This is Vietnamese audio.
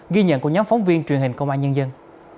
ghi nhận của nhóm phóng viên truyền hình công an nhân dân